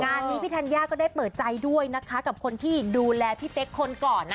งานนี้พี่ธัญญาก็ได้เปิดใจด้วยนะคะกับคนที่ดูแลพี่เป๊กคนก่อนนะ